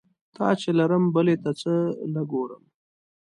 تا چې لرم بلې ته څه له ګورم؟